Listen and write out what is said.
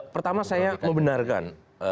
pertama saya membenarkan